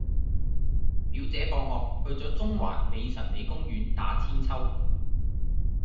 表姐放學去左中環美臣里公園打韆鞦